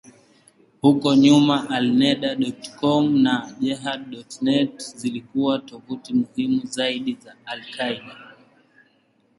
Huko nyuma, Alneda.com na Jehad.net zilikuwa tovuti muhimu zaidi za al-Qaeda.